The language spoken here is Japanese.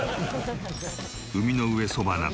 海の上そばなど